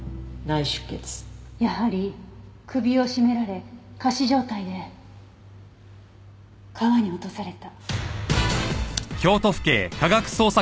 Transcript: やはり首を絞められ仮死状態で川に落とされた。